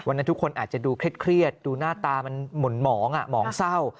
วันนั้นทุกคนอาจจะดูเครียดดูหน้าตามันหม่อนหมองอ่ะหมองเศร้า